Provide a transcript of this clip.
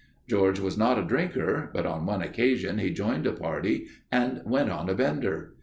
George was not a drinker, but on one occasion he joined a party and went on a bender.